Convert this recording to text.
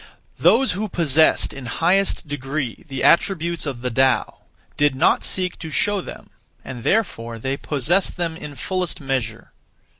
1. (Those who) possessed in highest degree the attributes (of the Tao) did not (seek) to show them, and therefore they possessed them (in fullest measure).